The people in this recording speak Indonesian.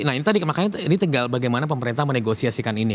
nah ini tadi makanya ini tegal bagaimana pemerintah menegosiasikan ini